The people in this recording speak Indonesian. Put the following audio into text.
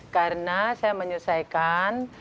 karena saya menyelesaikan